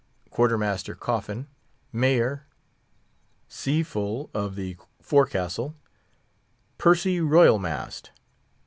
Quarter master Coffin. Mayor ........ Seafull, of the Forecastle. PERCY ROYAL MAST